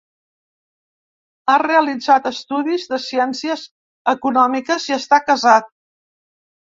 Ha realitzat estudis de ciències econòmiques i està casat.